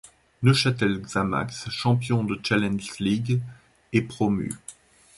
Neuchâtel Xamax, champion de Challenge League, est promu.